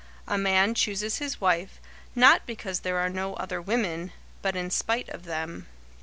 A man chooses his wife, not because there are no other women, but in spite of them.